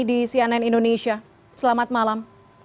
di cnn indonesia selamat malam